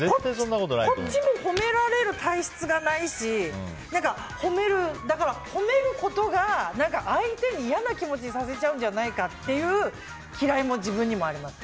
こっちも褒められる体質がないしだから、褒めることが相手に嫌な気持ちにさせちゃうんじゃないかというきらいも自分にもあります。